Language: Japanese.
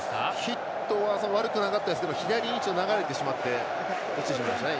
ヒットは悪くなかったですけど左位置に流れてしまって落ちてしまいましたね。